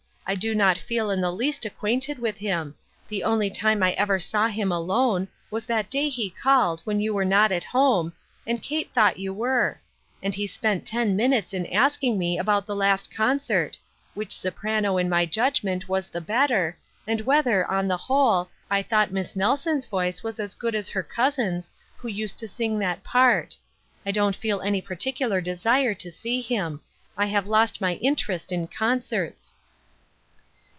I do not feel in the least acquainted with him ; the only time I ever saw him alone, was that day he called, when you were not at home, and Kate thought you were ; and he spent ten minutes in asking me about the last concert ; which soprano, in my judgment, was the better, and whether, on the whole, I thought Miss Nelson's voice was as good as her cousin's, who used to sing that part ; I don't feel any particular desire to see him. 1 have lost my interest in concerts."